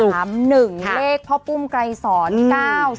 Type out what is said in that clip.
เลขพไกรสอน๙๒๐